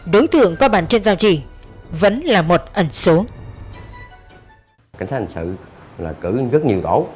đối tượng có bàn trên giao chỉ vẫn là một ẩn số